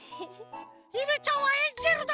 ゆめちゃんはエンジェルだ！